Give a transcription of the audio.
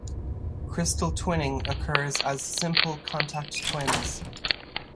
Crystal twinning occurs as simple contact twins.